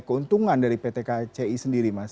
keuntungan dari pt kci sendiri mas